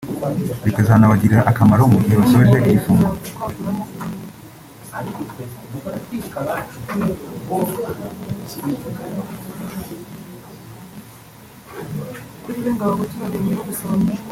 bikazanabagirira akamaro mu gihe basoje igifungo